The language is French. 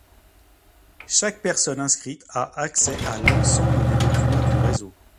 Chaque personne inscrite a accès à l'ensemble des documents du réseau.